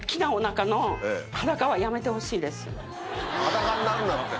裸になるなって。